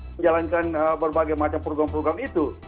menjalankan berbagai macam program program itu